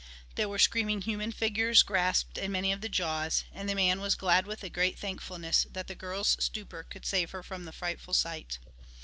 There were screaming human figures grasped in many of the jaws, and the man was glad with a great thankfulness that the girl's stupor could save her from the frightful sight.